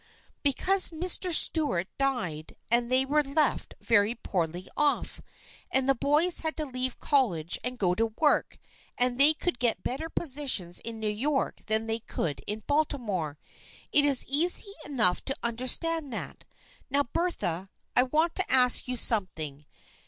"" Because Mr. Stuart died and they were left very poorly off, and the boys had to leave college and go to work and they could get better positions in New York than they could in Baltimore. It is easy enough to understand that. Now Bertha, I want to ask you something.